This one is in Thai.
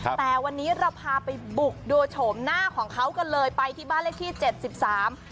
แต่วันนี้เราพาไปบุกดูโฉมหน้าของเขากันเลยไปที่บ้านเลขที่เจ็ดสิบสาม